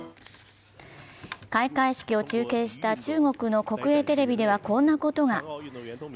開会式を中継した中国の国営テレビでは、こんなことが。